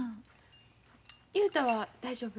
雄太は大丈夫？